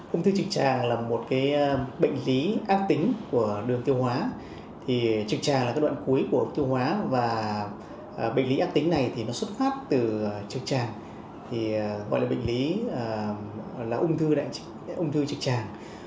ung thư trực tràng là một bệnh lý ác tính của đường tiêu hóa trực tràng là đoạn cuối của đường tiêu hóa và bệnh lý ác tính này xuất phát từ trực tràng gọi là bệnh lý ung thư trực tràng